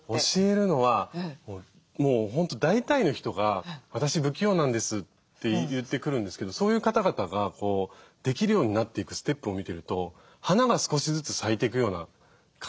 教えるのはもう本当大体の人が「私不器用なんです」って言ってくるんですけどそういう方々ができるようになっていくステップを見てると花が少しずつ咲いていくような感じが見えて